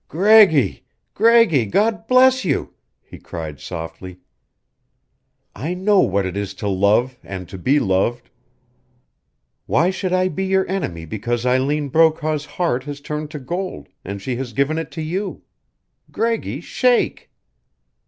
"Greggy Greggy God bless you!" he cried, softly. "I know what it is to love, and to be loved. Why should I be your enemy because Eileen Brokaw's heart has turned to gold, and she has given it to you? Greggy, shake!"